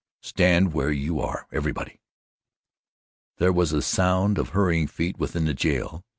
"Stand where you are everybody!" There was the sound of hurrying feet within the jail.